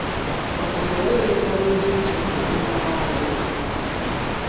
maka na o nweghịkwanụ ihe e ji nsogbu na ọgbaaghara eme.